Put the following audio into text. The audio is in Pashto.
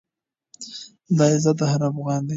دا عزت د هر افــــغـــــــان دی،